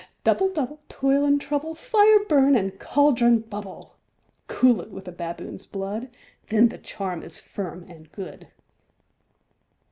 ALL. Double, double, toil and trouble; Fire, burn; and cauldron, bubble. SECOND WITCH. Cool it with a baboon's blood. Then the charm is firm and good.